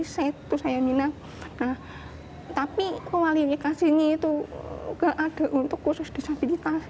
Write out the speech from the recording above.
saya itu saya minat tapi kualifikasinya itu gak ada untuk khusus disabilitas